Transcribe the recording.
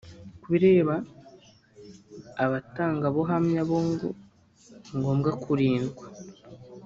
Ku bireba abatangabuhamya bo ngo ni ngombwa kurindwa